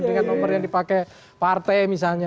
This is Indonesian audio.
dengan nomor yang dipakai partai misalnya